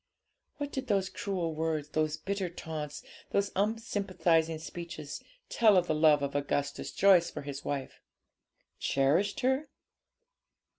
What did those cruel words, those bitter taunts, those unsympathising speeches, tell of the love of Augustus Joyce for his wife? Cherished her?